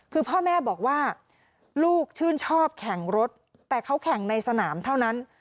คือพ่อแม่บอกว่าลูกชื่นชอบแข่งรถแต่เขาแข่งในสนามเท่านั้น